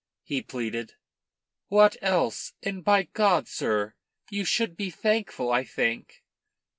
he pleaded. "What else? And, by God, sir, you should be thankful, I think."